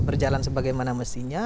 berjalan sebagaimana mestinya